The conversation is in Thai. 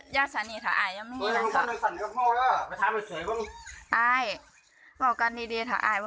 ลูกควฟ้าร่ะ